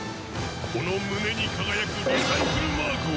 この胸に輝くリサイクルマークを。